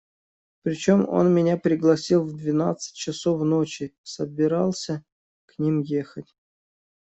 Причем он меня пригласил в двенадцать часов ночи, собирался к ним ехать.